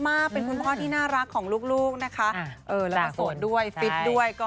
มากเป็นคุณพ่อที่น่ารักของลูกนะคะเออแล้วก็โสดด้วยฟิตด้วยก็